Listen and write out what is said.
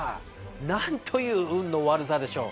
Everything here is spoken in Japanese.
何という運の悪さでしょう。